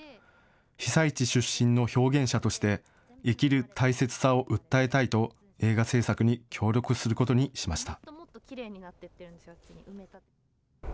被災地出身の表現者として生きる大切さを訴えたいと映画製作に協力することにしました。